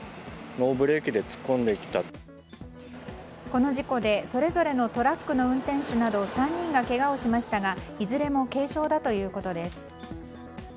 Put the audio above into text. この事故でそれぞれのトラックの運転手など３人がけがをしましたがいずれも軽傷だということです。